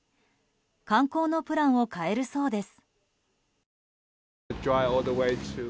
観光のプランを変えるそうです。